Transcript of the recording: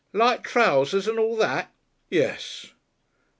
"Light trousers and all that?" "Yes."